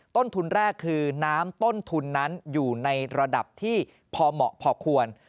ต้นทุนแรกคือน้ำต้นทุนนั้นอยู่ในระดับที่พอเหมาะพอควร